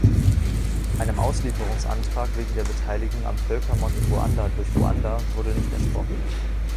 Einem Auslieferungsantrag wegen der Beteiligung am Völkermord in Ruanda durch Ruanda wurde nicht entsprochen.